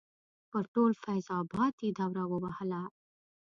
پر ټول فیض اباد یې دوره ووهله.